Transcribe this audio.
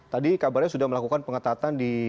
tadi kabarnya sudah melakukan pengetatan di